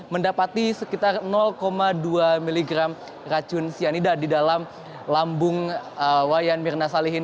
mendapati sekitar dua miligram racun cyanida di dalam lambung wayan mirna salihin